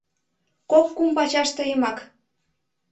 Кок-кум пачаш тыйымак!